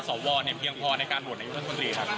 สาววอนอย่างเพียงพอในการวดในยุทธคศีลครับ